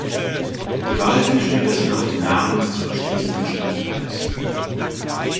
Die Wahl fiel stattdessen auf den Namen des zu erschließenden Stadtteils.